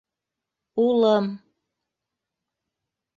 - Улым...